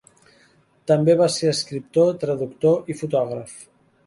També va ser escriptor, traductor i fotògraf.